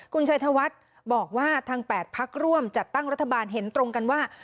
คุณชัยธวัฒน์บอกว่าทาง๘พักร่วมจัดตั้งรัฐบาลเห็นตรงกันว่า